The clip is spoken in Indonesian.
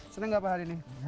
senang gak pak hari ini